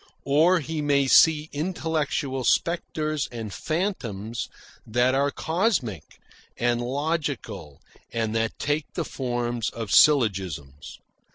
Or he may see intellectual spectres and phantoms that are cosmic and logical and that take the forms of syllogisms.